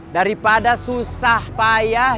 daripada susah payah